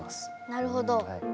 なるほど。